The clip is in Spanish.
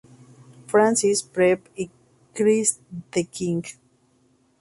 Francis Prep" y "Christ the King".